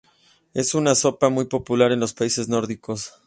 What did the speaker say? Es una sopa muy popular en los países nórdicos.